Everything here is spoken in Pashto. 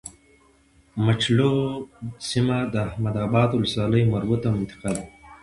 مچلغو سيمه د احمداباد ولسوالی مربوطه منطقه ده